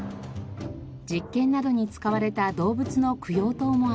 実験などに使われた動物の供養塔もあります。